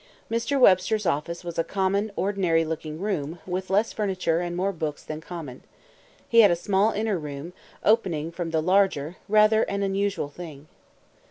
Mr. Webster's office was "a common, ordinary looking room, with less furniture and more books than common. He had a small inner room, opening from the larger, rather an unusual thing."